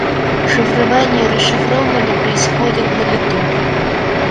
Шифрование и расшифрование происходит «на лету»